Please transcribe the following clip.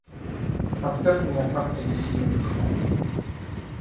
Концерт меня как-то не сильно вдохновил.